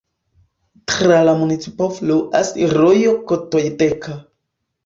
Tra la municipo fluas rojo Kotojedka.